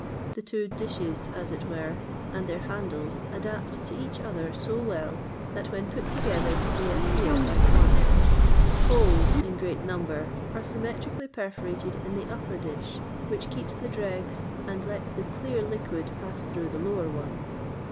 The two dishes (as it were) and their handles adapt to each other so well, that when put together they appear as one; holes in great number are symmetrically perforated in the upper dish, which keeps the dregs, and lets the clear liquid pass through the lower one.